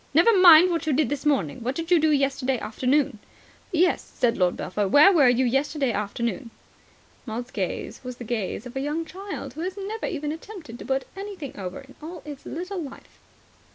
"Never mind what you did this morning. What did you do yesterday afternoon?" "Yes," said Lord Belpher. "Where were you yesterday afternoon?" Maud's gaze was the gaze of a young child who has never even attempted to put anything over in all its little life.